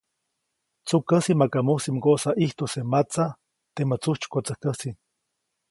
‒Tsukäsi maka mujsi mgoʼsa ʼijtuse matsa, temä tsujtsykotsäjkäsi-.